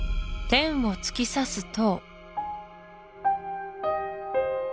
天を突き刺す塔